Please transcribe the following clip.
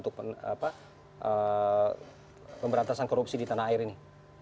apa yang sudah berjalan untuk pemberantasan korupsi di tanah air ini